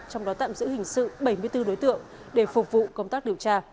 trong đó tạm giữ hình sự bảy mươi bốn đối tượng để phục vụ công tác điều tra